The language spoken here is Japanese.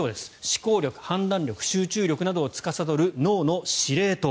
思考力、判断力、集中力などをつかさどる脳の司令塔。